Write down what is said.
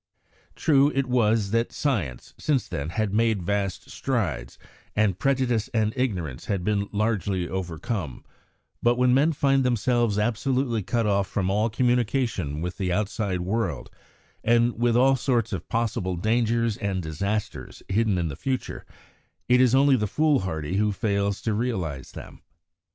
True it was that science, since then, had made vast strides, and prejudice and ignorance had been largely overcome; but when men find themselves absolutely cut off from all communication with the outside world, and with all sorts of possible dangers and disasters hidden in the future, it is only the fool hardy who fails to realise them.